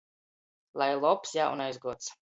Lai lobs Jaunais gods!